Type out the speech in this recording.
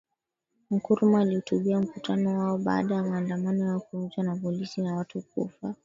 Nkrumah alihutubia mkutano wao baada ya maandamano yao kuvunjwa na polisi na watu kufa